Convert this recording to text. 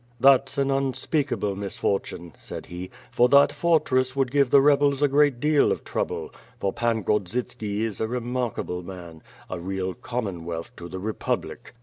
"That's an unspeakable misfortune," said he, "for that fortress would give the rebels a great deal of trouble; for Pan Grodzitski is a remarkable man; a real Commonwealth to the Republic.